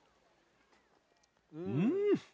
うん。